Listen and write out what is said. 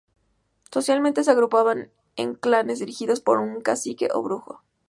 Socialmente se agrupaban en clanes dirigidos por un Cacique o Brujo.